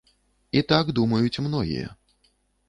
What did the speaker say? І так думаюць многія.